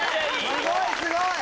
すごいすごい！